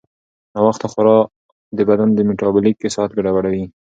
ناوخته خورا د بدن میټابولیک ساعت ګډوډوي.